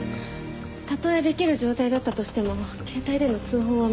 たとえできる状態だったとしても携帯での通報は無理です。